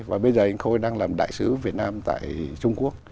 và bây giờ anh khôi đang làm đại sứ việt nam tại trung quốc